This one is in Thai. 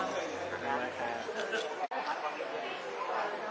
สัตว์